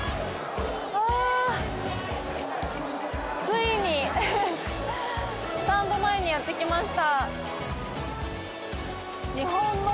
ついにスタンド前にやって来ました。